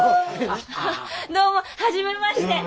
どうも初めまして。